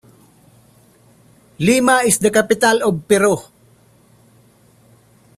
Lima is the capital of Peru.